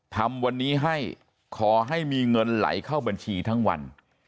ทำวันนี้ให้ขอให้มีเงินไหลเข้าบัญชีทั้งวัน